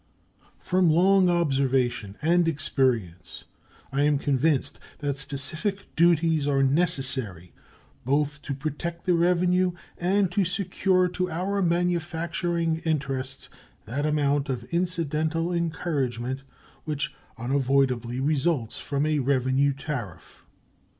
From long observation and experience I am convinced that specific duties are necessary, both to protect the revenue and to secure to our manufacturing interests that amount of incidental encouragement which unavoidably results from a revenue tariff.